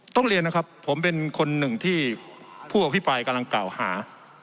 ต้องเรียนนะครับผมเป็นคนหนึ่งที่ผู้อภิปรายกำลังกล่าวหา